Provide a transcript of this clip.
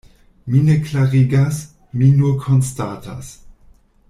Mi ne klarigas, mi nur konstatas.